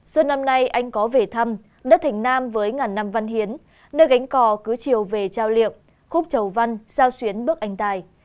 xuân năm nay anh có về thăm đất thành nam với ngàn năm văn hiến nơi gánh cò cứ chiều về trao liệm khúc chầu văn sao xuyến bức anh tài